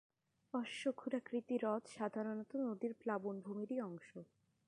অশ্বক্ষুরাকৃতি হ্রদ সাধারণত নদীর প্লাবনভূমিরই অংশ।